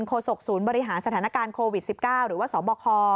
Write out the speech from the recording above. โศกศูนย์บริหารสถานการณ์โควิด๑๙หรือว่าสบค